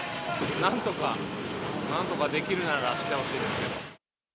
なんとか、なんとかできるならしてほしいですね。